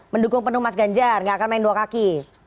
mendukung penuh mas ganjar gak akan main dua kaki